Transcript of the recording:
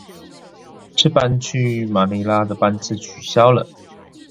這班去馬尼拉的班次取消了